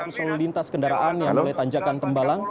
arus lalu lintas kendaraan yang mulai tanjakan tembalang